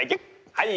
はい！